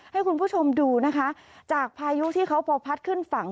ให้คุณผู้ชมดูนะคะจากพายุที่เขาพอพัดขึ้นฝั่ง